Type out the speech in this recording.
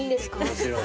もちろん。